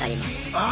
ああ